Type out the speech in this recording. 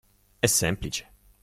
È semplice.